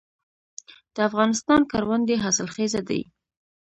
د افغانستان کروندې حاصلخیزه دي